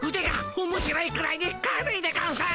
おもしろいくらいに軽いでゴンス。